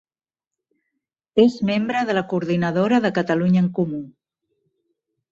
És membre de la coordinadora de Catalunya en Comú.